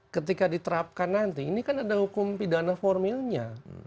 ketika diterapkan nanti ini kan ada hukum pidana formilnya